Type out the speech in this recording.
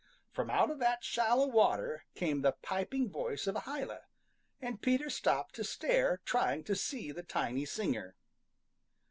From out of that shallow water came the piping voice of a hyla, and Peter stopped to stare, trying to see the tiny singer.